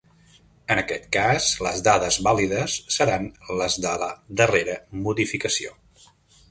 En aquest cas les dades vàlides seran les de la darrera modificació.